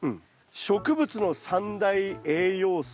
植物の三大栄養素。